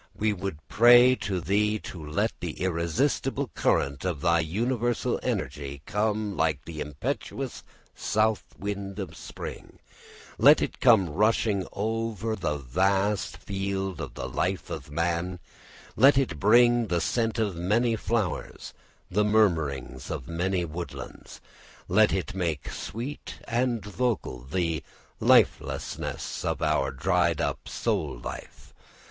We would pray to thee to let the irresistible current of thy universal energy come like the impetuous south wind of spring, let it come rushing over the vast field of the life of man, let it bring the scent of many flowers, the murmurings of many woodlands, let it make sweet and vocal the lifelessness of our dried up soul life.